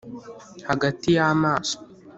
hagati y'amaso